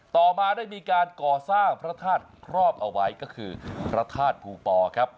ต่อมาได้มีการก่อสร้างพระธาตุครอบเอาไว้ก็คือพระธาตุภูปอครับ